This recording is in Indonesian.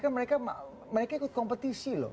kan mereka ikut kompetisi loh